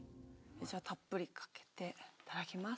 じゃたっぷりかけていただきます。